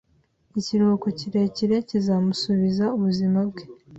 Ikiruhuko kirekire kizamusubiza ubuzima bwe